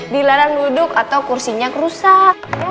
dilarang duduk atau kursinya rusak